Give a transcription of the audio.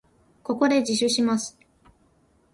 ここで自首します。